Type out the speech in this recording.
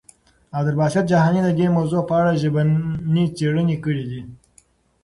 عبدالباسط جهاني د دې موضوع په اړه ژبني څېړنې کړي دي.